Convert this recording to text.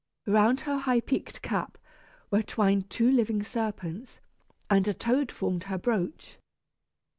Around her high peaked cap were twined two living serpents, and a toad formed her brooch.